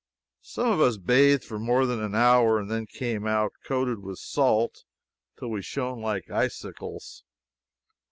Some of us bathed for more than an hour, and then came out coated with salt till we shone like icicles.